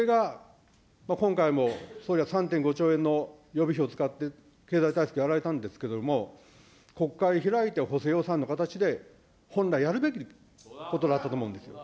それが今回も、総理は３．５兆円の予備費を使って経済対策やられたんですけども、国会開いて補正予算の形で本来、やるべきことだったと思うんですよ。